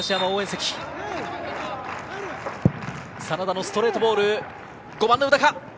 真田のストレートボール。